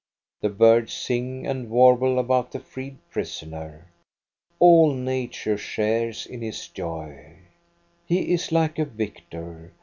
The birds sing and warble about the freed prisoner. All nature shares in his joy. He is like a victor.